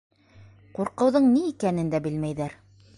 Ҡурҡыуҙың ни икәнен дә белмәйҙәр.